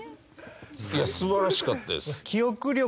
いや素晴らしかったです。